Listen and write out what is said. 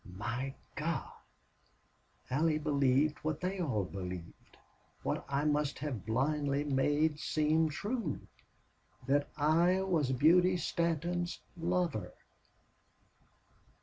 "My God! Allie believed what they all believed what I must have blindly made seem true!... That I was Beauty Stanton's lover!"